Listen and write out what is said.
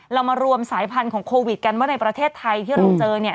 เรามารวมสายพันธุ์ของโควิดกันว่าในประเทศไทยที่เราเจอเนี่ย